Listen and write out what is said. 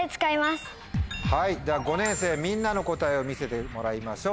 では５年生みんなの答えを見せてもらいましょう。